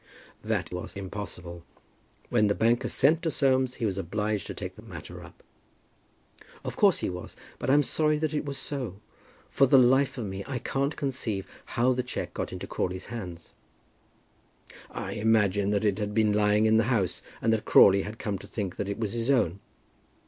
"That was impossible. When the banker sent to Soames, he was obliged to take the matter up." "Of course he was. But I'm sorry that it was so. For the life of me I can't conceive how the cheque got into Crawley's hands." "I imagine that it had been lying in the house, and that Crawley had come to think that it was his own."